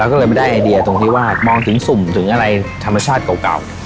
ก็เลยไม่ได้ไอเดียตรงที่ว่ามองถึงสุ่มถึงอะไรธรรมชาติเก่า